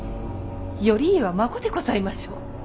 頼家は孫でございましょう。